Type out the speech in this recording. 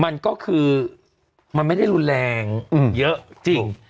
มันก็คือมันไม่ได้รุนแรงเยอะจริง